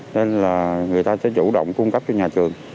nên là người ta sẽ chủ động cung cấp cho nhà trường